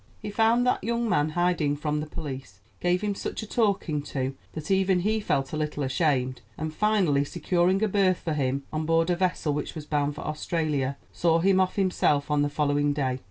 He found that young man hiding from the police, gave him such a talking to that even he felt a little ashamed; and finally, securing a berth for him on board a vessel which was bound for Australia, saw him off himself on the following day.